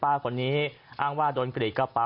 อ้างว่าโดนกระเป๋ากระเป๋า